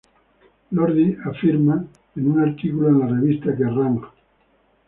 Lordi, afirma en un artículo en la revista "Kerrang!